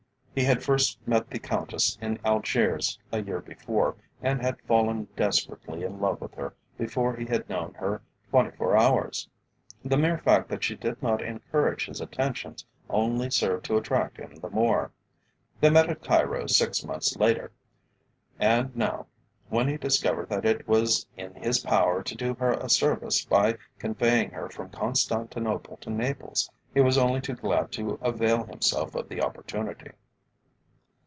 He had first met the Countess in Algiers a year before, and had fallen desperately in love with her before he had known her twenty four hours. The mere fact that she did not encourage his attentions only served to attract him the more. They met at Cairo six months later and now, when he discovered that it was in his power to do her a service by conveying her from Constantinople to Naples, he was only too glad to avail himself of the opportunity.